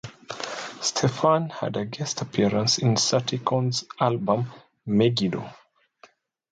Stephan had a guest appearance in Satyricon's album "Megiddo".